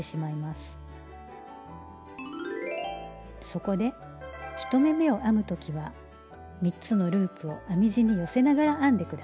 そこで１目めを編む時は３つのループを編み地に寄せながら編んで下さい。